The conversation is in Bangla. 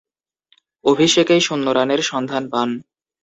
অভিষেকেই শূন্য রানের সন্ধান পান।